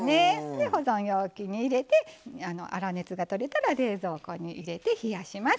保存容器に入れて粗熱がとれたら冷蔵庫に入れて冷やします。